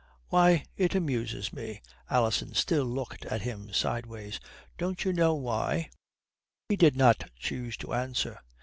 "Why, it amuses me." Alison still looked at him sideways. "Don't you know why?" He did not choose to answer.